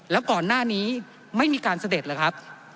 แล้วก่อนหน้านี้ไม่มีการเสด็จเลยครับ